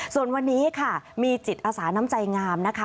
ส่วนวันนี้ค่ะมีจิตอาสาน้ำใจงามนะคะ